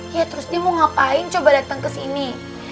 ya terus nih mau ngapain coba dateng kesini